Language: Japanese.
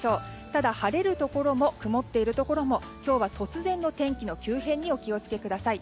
ただ、晴れるところも曇っているところも突然の天気の急変にお気を付けください。